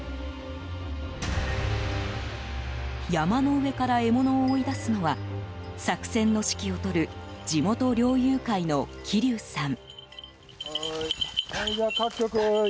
山の上から獲物を追い出すのは作戦の指揮を執る地元猟友会の桐生さん。